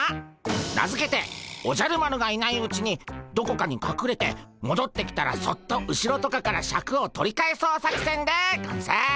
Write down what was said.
名付けて「おじゃる丸がいないうちにどこかにかくれてもどってきたらそっと後ろとかからシャクを取り返そう作戦」でゴンス。